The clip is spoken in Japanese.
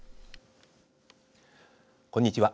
こんにちは。